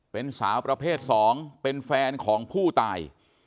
เป็นสาวประเภท๒เป็นแฟนของผู้ตาย